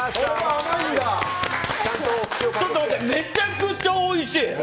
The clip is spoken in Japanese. めちゃくちゃおいしい！